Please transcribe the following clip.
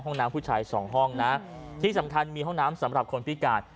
ห้องน้ำผู้ชายสองห้องนะที่สำคัญมีห้องน้ำสำหรับคนพิการ